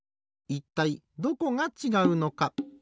いったいどこがちがうのか。